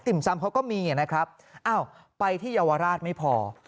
ซำเขาก็มีนะครับอ้าวไปที่เยาวราชไม่พอ